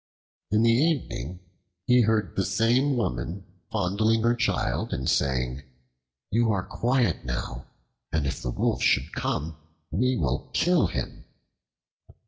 In the evening he heard the same woman fondling her child and saying: "You are quiet now, and if the Wolf should come, we will kill him."